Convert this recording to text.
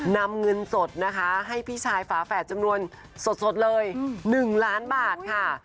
นำเงินสดนะคะให้พี่ชายฝาแฝดจำนวนสดเลย๑ล้านบาทค่ะ